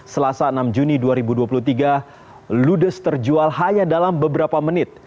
selasa enam juni dua ribu dua puluh tiga ludes terjual hanya dalam beberapa menit